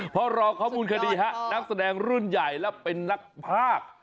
เพราะรอข้อมูลคดีฮะนักแสดงรุ่นใหญ่และเป็นนักภาค